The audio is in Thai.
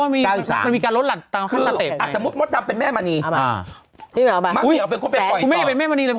มันมีการลดละเต็ปสมมุตินำเป็นแม่มณีคุณแม่เป็นแม่มณีเลย